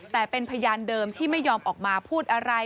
แต่เป็นพยานเดิมที่ไม่ยอมออกมาพูดอะไร